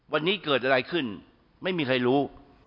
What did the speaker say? วันนี้เกิดอะไรขึ้นไม่มีใครรู้